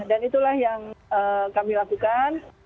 dan itulah yang kami lakukan